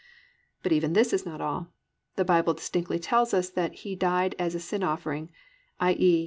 3. But even this is not all. The Bible distinctly tells us that _He died as a sin offering, i.e.